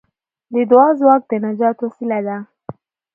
د دعا ځواک د نجات وسیله ده.